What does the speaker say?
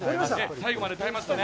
最後まで耐えましたね。